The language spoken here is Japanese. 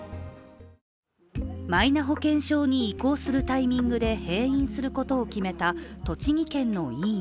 マイナ保険証に移行するタイミングで閉院することを決めた、栃木県の医院。